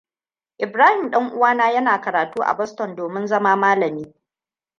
Ibrahim uwana yana karatu a Boston domin zama malami.